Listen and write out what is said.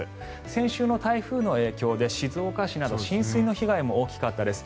先週の台風の影響で静岡市など浸水の被害も大きかったです。